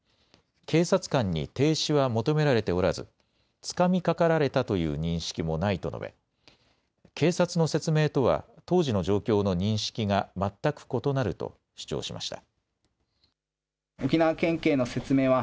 警察官に停止は求められておらずつかみかかられたという認識もないと述べ、警察の説明とは当時の状況の認識が全く異なると主張しました。